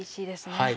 はい。